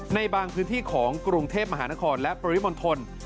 ในบางพื้นที่ของกรุงเทพมหานครและปริมณฑล